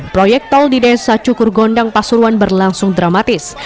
proyek tol di desa cukurgondang pasuruan berlangsung dramatis